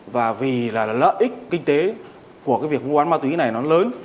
và vì lợi ích kinh tế của vụ án ma túy này lớn